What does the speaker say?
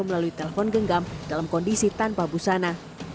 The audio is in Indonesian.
melalui telepon genggam dalam kondisi tanpa busana